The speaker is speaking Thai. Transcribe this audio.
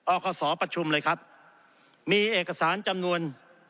ออกข้อสอบประชุมเลยครับมีเอกสารจำนวน